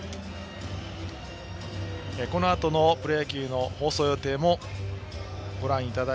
このあとのプロ野球の放送予定です。